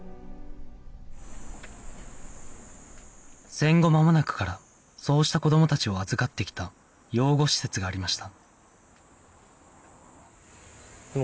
戦後まもなくからそうした子どもたちを預かってきた養護施設がありました